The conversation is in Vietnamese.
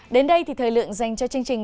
đến đây thì thời lượng dành cho chương trình